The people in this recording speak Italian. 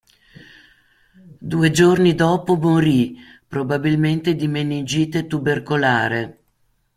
Due giorni dopo morì, probabilmente di meningite tubercolare.